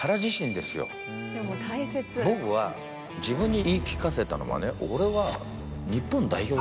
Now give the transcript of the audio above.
僕は自分に言い聞かせたのはね。